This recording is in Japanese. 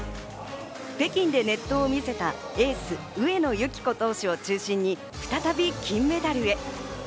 北京で熱投を見せたエース・上野由岐子投手を中心に再び金メダルへ。